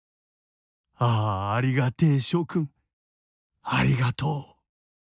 ああ、ありがてぇ、諸君、ありがとう！